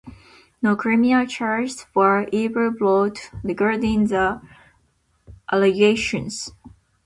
No criminal charges were ever brought regarding the allegations'